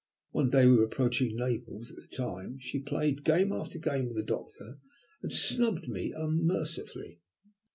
One day we were approaching Naples at the time she played game after game with the doctor, and snubbed me unmercifully."